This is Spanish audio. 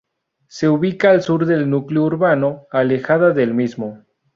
Se ubica al sur del núcleo urbano, alejada del mismo.